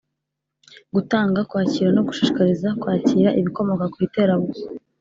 gutanga, kwakira no gushishikariza kwakira ibikomoka ku iterabwoba